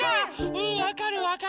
うんわかるわかる。